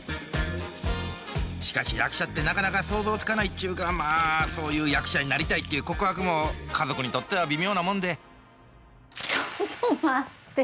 しかし役者ってなかなか想像つかないっちゅうかまあそういう役者になりたいっていう告白も家族にとっては微妙なもんでちょっと待って。